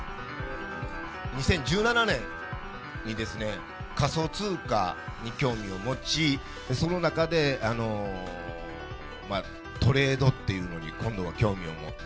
２０１７年に仮想通貨に興味を持ち、その中でトレードっていうのに今度は興味を持って。